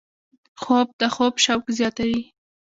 خوب د خوب شوق زیاتوي